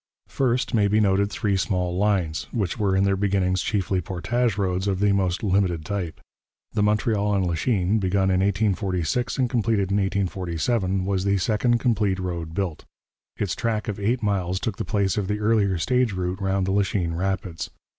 First may be noted three small lines, which were in their beginnings chiefly portage roads of the most limited type. The Montreal and Lachine, begun in 1846 and completed in 1847, was the second complete road built. Its track of eight miles took the place of the earlier stage route round the Lachine rapids.